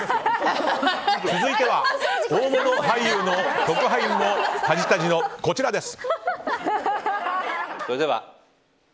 続いては大物俳優の特派員もタジタジのこちらです。